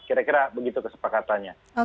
kira kira begitu kesepakatannya